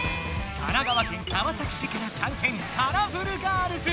神奈川県川崎市からさん戦！カラフルガールズ！